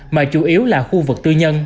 mà chủ yếu là khu vực